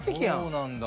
そうなんだ。